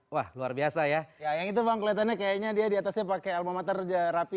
wah luar biasa ya yang itu bang kelihatannya kayaknya dia diatasnya pakai almamater rapi